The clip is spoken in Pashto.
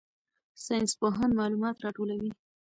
ساینسپوهان معلومات راټولوي.